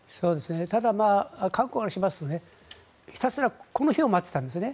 ただ、韓国からしますとひたすらこの日を待っていたんですね。